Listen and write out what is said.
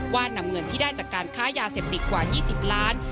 นำเงินที่ได้จากการค้ายาเสพติดกว่า๒๐ล้าน